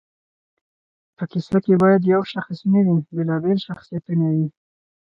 په کیسه کښي شاید یو شخص نه وي، بېلابېل شخصیتونه وي.